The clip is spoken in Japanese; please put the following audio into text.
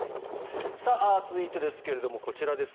続いてですがこちらです。